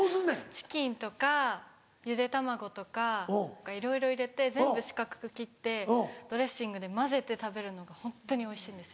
チキンとかゆで卵とかいろいろ入れて全部四角く切ってドレッシングで混ぜて食べるのがホントにおいしいんです。